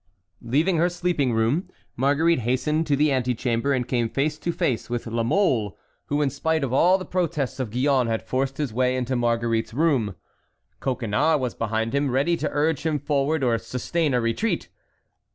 Leaving her sleeping room, Marguerite hastened to the antechamber and came face to face with La Mole, who in spite of all the protests of Gillonne had forced his way into Marguerite's room. Coconnas was behind him, ready to urge him forward or sustain a retreat.